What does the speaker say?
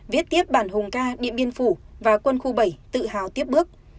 viết tiếp bản hùng ca điện biên phủ và quân khu bảy tự hào tiếp bước